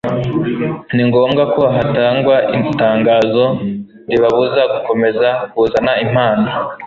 ni ngombwa ko hatangwa itangazo ribabuza gukomeza kuzana impano